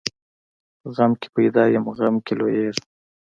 غم کې پیدا یم، غم کې لویېږم.